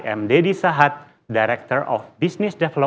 saya deddy sahat direktur pembangunan bisnis di dana